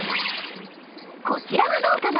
こちらはどうかな？